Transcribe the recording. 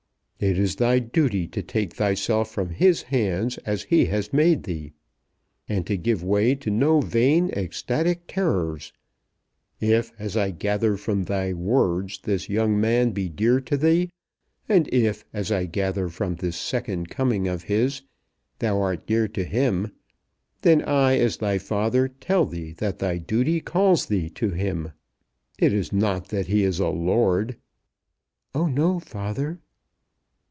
"It is thy duty to take thyself from His hands as He has made thee; and to give way to no vain ecstatic terrors. If, as I gather from thy words, this young man be dear to thee, and if, as I gather from this second coming of his, thou art dear to him, then I as thy father tell thee that thy duty calls thee to him. It is not that he is a lord." "Oh, no, father."